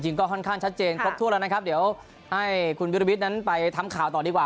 ก็ค่อนข้างชัดเจนครบถ้วนแล้วนะครับเดี๋ยวให้คุณวิรวิทย์นั้นไปทำข่าวต่อดีกว่า